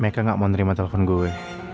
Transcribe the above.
mereka gak mau nerima telepon gue